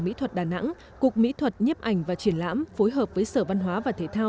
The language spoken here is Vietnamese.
mỹ thuật đà nẵng cục mỹ thuật nhếp ảnh và triển lãm phối hợp với sở văn hóa và thể thao